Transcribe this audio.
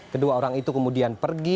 kedua orang itu kemudian pergi